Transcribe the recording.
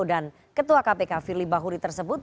dan ketua kpk firly bahuri tersebut